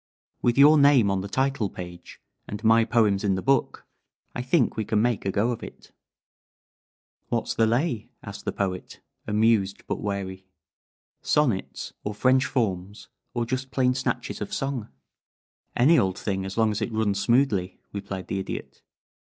With your name on the title page and my poems in the book I think we can make a go of it." "What's the lay?" asked the Poet, amused, but wary. "Sonnets, or French forms, or just plain snatches of song?" "Any old thing as long as it runs smoothly," replied the Idiot.